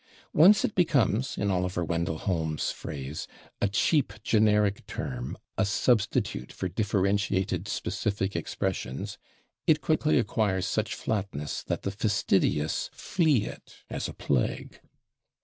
Once it becomes, in Oliver Wendell Holmes' phrase, "a cheap generic term, a substitute for differentiated [Pg311] specific expressions," it quickly acquires such flatness that the fastidious flee it as a plague.